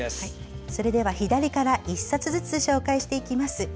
それでは左から１冊ずつ紹介していきます。